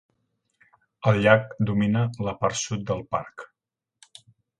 El llac domina la part sud del parc.